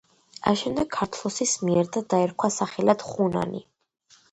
აშენდა ქართლოსის მიერ და დაერქვა სახელად ხუნანი.